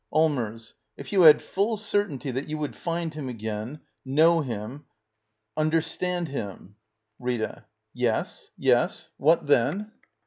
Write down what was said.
Allmers. If you had full certainty that 3^u would find him again — know him — understand him —? Rita. Yes, yes; what then?